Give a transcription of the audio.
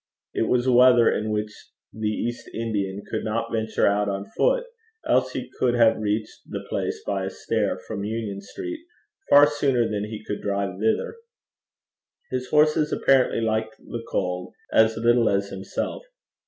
It was weather in which the East Indian could not venture out on foot, else he could have reached the place by a stair from Union Street far sooner than he could drive thither. His horses apparently liked the cold as little as himself.